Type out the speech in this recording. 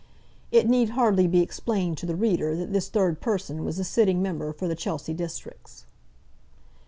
It need hardly be explained to the reader that this third person was the sitting Member for the Chelsea Districts.